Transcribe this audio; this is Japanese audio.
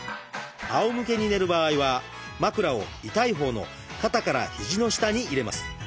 あおむけに寝る場合は枕を痛いほうの肩から肘の下に入れます。